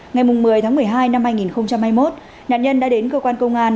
ngày một mươi một mươi hai hai nghìn hai mươi một nạn nhân đã đến cơ quan công an